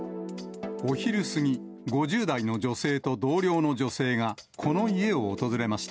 お昼過ぎ、５０代の女性と同僚の女性がこの家を訪れました。